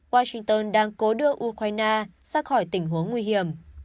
washington đang cố đưa ukraine ra khỏi tình huống nguy hiểm